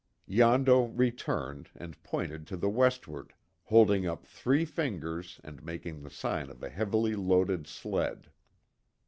Yondo returned, and pointed to the westward, holding up three fingers, and making the sign of a heavily loaded sled.